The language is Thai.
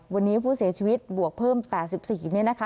วันนี้ผู้เสียชีวิตบวกเพิ่ม๘๔เนี่ยนะคะ